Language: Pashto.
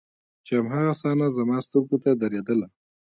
چې هماغه صحنه زما سترګو ته درېدله.